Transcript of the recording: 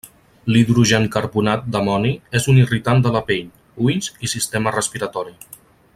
L'hidrogencarbonat d'amoni és un irritant de la pell, ulls i sistema respiratori.